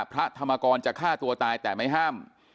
พระธรรมกรจะฆ่าตัวตายแต่ไม่ห้าม